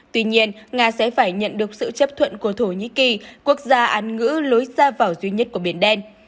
tuy nhiên nga sẽ phải nhận được sự chấp thuận của thổ nhĩ kỳ quốc gia án ngữ lối ra vào duy nhất của biển đen